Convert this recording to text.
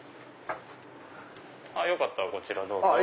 よかったらこちらどうぞ。